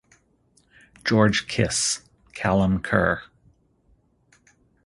George Kiss (Callum Kerr).